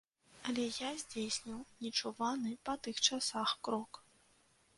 Але я здзейсніў нечуваны па тых часах крок.